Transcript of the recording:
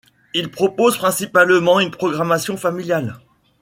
Il propose principalement une programmation familiale.